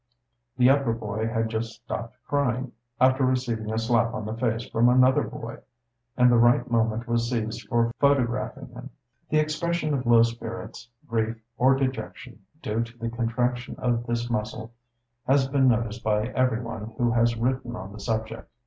The upper boy (fig. 6) had just stopped crying, after receiving a slap on the face from another boy; and the right moment was seized for photographing him. The expression of low spirits, grief or dejection, due to the contraction of this muscle has been noticed by every one who has written on the subject.